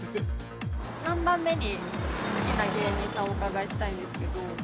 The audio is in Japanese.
３番目に好きな芸人さんをお伺いしたいんですけど。